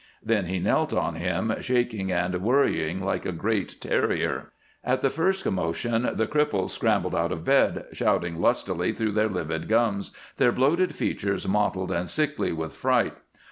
Then he knelt on him, shaking and worrying like a great terrier. At the first commotion the cripples scrambled out of bed, shouting lustily through their livid gums, their bloated features mottled and sickly with fright.